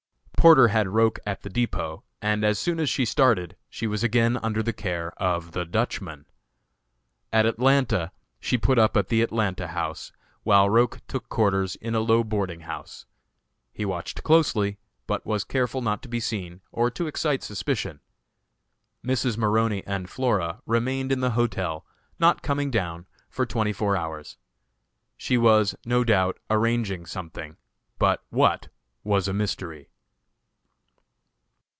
Porter had Roch at the depot, and as soon as she started, she was again under the care of the Dutchman. At Atlanta she put up at the Atlanta House, while Roch took quarters in a low boarding house. He watched closely, but was careful not to be seen, or to excite suspicion. Mrs. Maroney and Flora remained in the hotel, not coming down, for twenty four hours. She was, no doubt arranging something, but what, was a mystery.